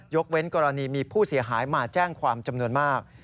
เว้นกรณีมีผู้เสียหายมาแจ้งความจำนวนมาก